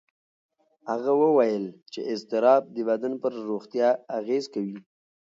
هغه وویل چې اضطراب د بدن پر روغتیا اغېز کوي.